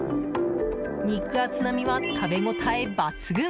肉厚な身は、食べ応え抜群！